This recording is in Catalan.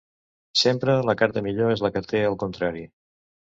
Sempre la carta millor és la que té el contrari.